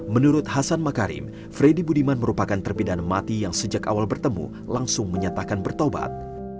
menurut hasan makarim freddy budiman merupakan terpidana mati yang sejak awal bertemu langsung menyatakan bertobat